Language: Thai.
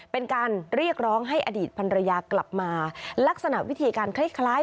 เป็นการเรียกร้องให้อดีตพันรยากลับมาลักษณะวิธีการคล้าย